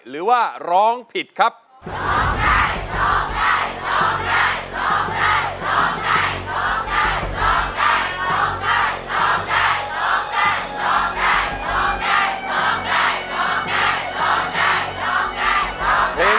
ไม่ทำได้ไม่ทำได้